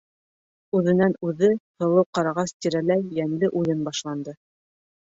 Үҙенән-үҙе Һылыу ҡарағас тирәләй йәнле уйын башланды.